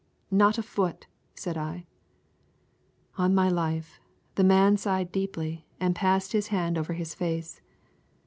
"Not a foot," said I. On my life, the man sighed deeply and passed his hand over his face.